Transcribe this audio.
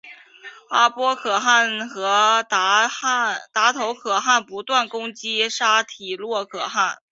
阿波可汗和达头可汗不断攻击沙钵略可汗。